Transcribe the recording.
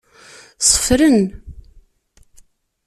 Ṣeffren.